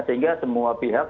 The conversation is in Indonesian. sehingga semua pihak